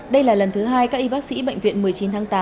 đây là lần thứ hai các y bác sĩ bệnh viện một mươi chín tháng tám